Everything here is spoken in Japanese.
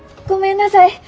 ごめんなさい！